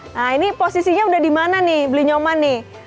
nah ini posisinya udah dimana nih blinyoman nih